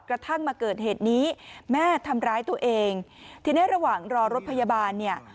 กระทั่งมาเกิดเหตุนี้แม่ทำร้ายตัวเองทีนี้ระหว่างรอรถพยาบาลเนี่ย